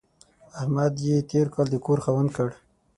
احمد يې تېر کال د کور خاوند کړ.